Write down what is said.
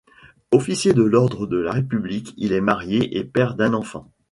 Officier de l'Ordre de la République, il est marié et père d'un enfant.